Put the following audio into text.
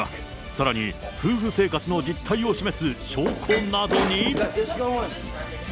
さらに夫婦生活の実態を示す証拠などに。